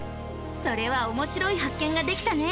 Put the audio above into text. それはおもしろい発見ができたね！